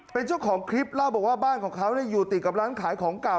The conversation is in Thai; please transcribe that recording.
เป็นเจ้าของคลิปเล่าบอกว่าบ้านของเขาอยู่ติดกับร้านขายของเก่า